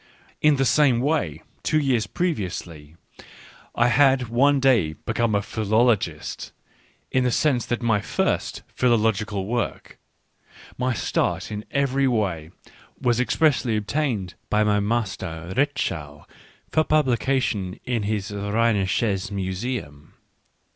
In the same way, two years previously, I had one day become a philologist, in the sense that my first philological work, my start in every way, was expressly obtained by my master Ritschl for publication in h\s Rheinisches Museum.